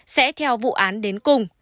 sẽ theo vụ án đến cùng